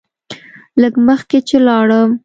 لږ مخکې چې لاړم.